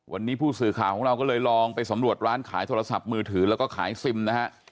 วันนี้ผู้สื่อข่าวของเราก็เลยลองไปสำรวจร้านขายโทรศัพท์มือถือแล้วก็ขายซิมนะฮะ